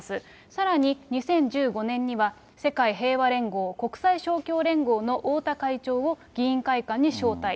さらに２０１５年には、世界平和連合、国際勝共連合の太田会長を議員会館に招待。